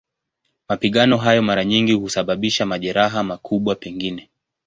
Mapigano hayo mara nyingi husababisha majeraha, makubwa pengine.